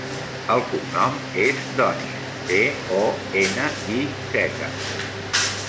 El cognom és Doniz: de, o, ena, i, zeta.